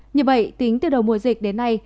như vậy tính từ đầu mùa dịch đến nay